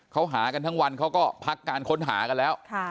เขาหากันทั้งวันเขาก็พักการค้นหากันแล้ว